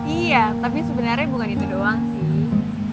iya tapi sebenarnya bukan itu doang sih